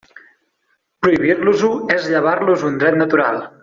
Prohibir-los-ho és llevar-los un dret natural.